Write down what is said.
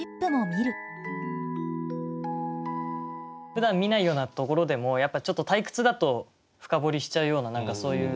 ふだん見ないようなところでもやっぱちょっと退屈だと深掘りしちゃうような何かそういう。